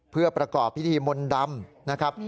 เพื่อประกอบพิธีมนต์ดำนะครับ